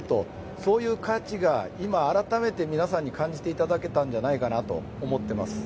そういう価値が今改めて皆さんに感じていただけだと思っています。